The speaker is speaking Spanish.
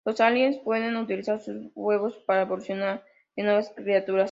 Los aliens pueden utilizar sus huevos para evolucionar en nuevas criaturas.